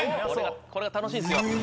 これが楽しいんすよ。